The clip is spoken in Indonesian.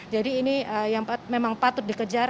jadi ini yang memang patut dikejar